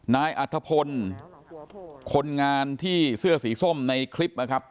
นายอัธพลคนงานที่เสื้อสีส้มในคลิปนะครับ